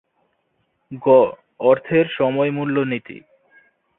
গ. অর্থের সময়মূল্য নীতি